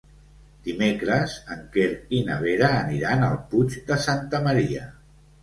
Dimecres en Quer i na Vera aniran al Puig de Santa Maria.